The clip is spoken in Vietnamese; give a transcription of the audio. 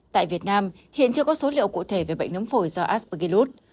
tại việt nam hiện chưa có số liệu cụ thể về bệnh nấm phổi do aspillus